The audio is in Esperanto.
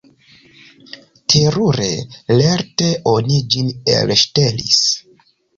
Terure lerte oni ĝin elŝtelis.